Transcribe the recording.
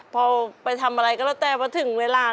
พอไปทำอะไรก็แล้วแต่ว่า